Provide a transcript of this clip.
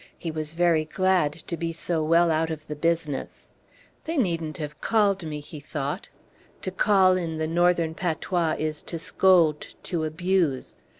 He was very glad to be so well out of the business. "They need n't have called me," he thought (to call, in the Northern patois, is to scold, to abuse).